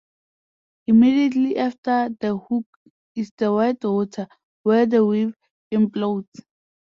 Immediately after the hook is the white water, where the wave implodes.